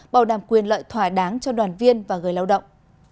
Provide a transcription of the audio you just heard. bảo đảm quyền lợi thỏa đáng cho đoàn viên và người lao động